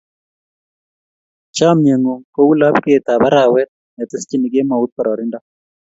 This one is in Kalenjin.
Chomye ng'ung' kou lapkeet ap arawet ne teschin kemout kororindo.